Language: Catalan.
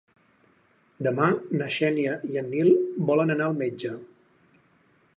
Demà na Xènia i en Nil volen anar al metge.